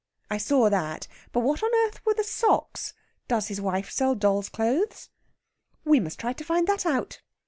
"I saw that. But what on earth were the socks? Does his wife sell doll's clothes?" "We must try to find that out."